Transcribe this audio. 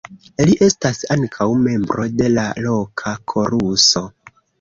Li estas ankaŭ membro de la loka koruso.